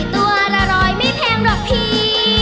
ตัวละร้อยไม่แพงหรอกพี่